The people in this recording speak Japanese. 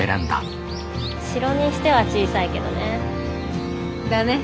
城にしては小さいけどね。だね。